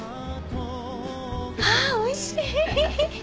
あぁおいしい！